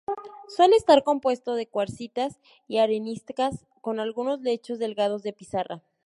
Suele estar compuesto de cuarcitas y areniscas con algunos lechos delgados de pizarra.